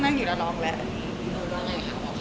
ว่าไงค่ะเพราะเขา